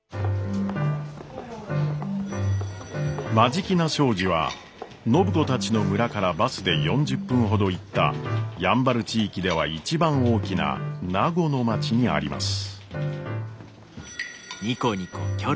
眞境名商事は暢子たちの村からバスで４０分ほど行ったやんばる地域では一番大きな名護の町にあります。